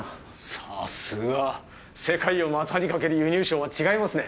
さすが世界を股にかける輸入商は違いますね！